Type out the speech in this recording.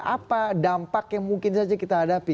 apa dampak yang mungkin saja kita hadapi